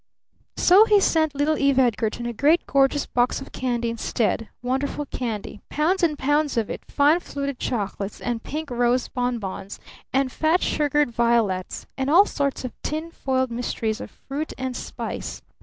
So he sent little Eve Edgarton a great, gorgeous box of candy instead, wonderful candy, pounds and pounds of it, fine, fluted chocolates, and rose pink bonbons, and fat, sugared violets, and all sorts of tin foiled mysteries of fruit and spice.